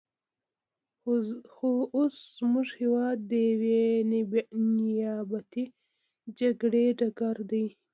خو اوس زموږ هېواد د یوې نیابتي جګړې ډګر دی.